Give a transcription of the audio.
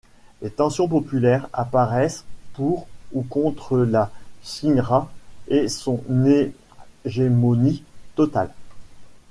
Les tensions populaires apparaissent, pour ou contre la ShinRa et son hégémonie totale.